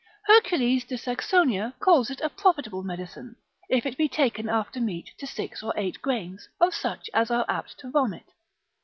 Hercules de Saxonia calls it a profitable medicine, if it be taken after meat to six or eight grains, of such as are apt to vomit.